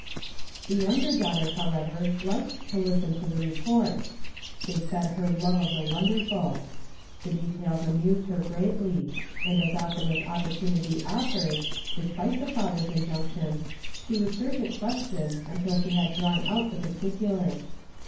The younger daughter, however, liked to listen to the reports ; they fed her love of tlie wonderful. The details amused her yreatlv; and as oftcsn as opi>ortunity olTered, despite the father's injunction, she was sure to question until she had drawn out the particulars.